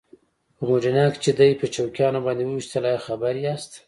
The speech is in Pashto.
په موډینا کې چې یې دی په چوکیانو باندې وويشتل ایا خبر یاست؟